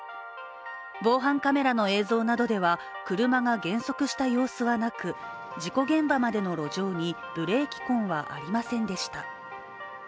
防犯カメラの映像などでは車が減速した様子はなく事故現場までの路上にブレーキ痕はありませんでした。